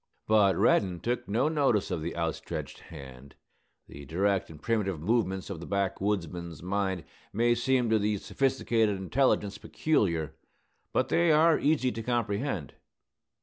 But Reddin took no notice of the outstretched hand. The direct and primitive movements of the backwoodsman's mind may seem to the sophisticated intelligence peculiar; but they are easy to comprehend.